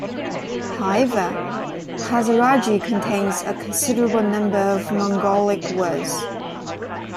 However, Hazaragi contains a considerable number of Mongolic words.